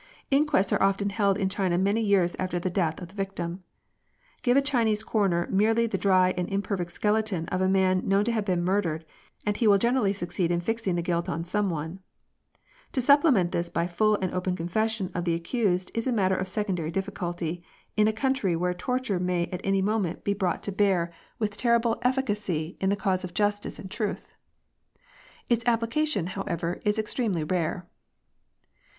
Inquests are often held in China many years after the death of the victim. Give a Chinese coroner merely the dry and imperfect skeleton of a man known to have been murdered, and he will generally succeed in fixing the guilt on some one. To supple ment this by full and open confession of the accused is a matter of secondary difficulty in a country where torture may at any moment be brought to i82 INQUESTS. bear with terrible eJ0&cacy in the cause of justice and truth. Its application, however, is extremely rare.